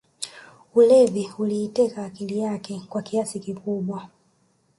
Ulevi uliiteka akili yake kwa kiasi kikubwa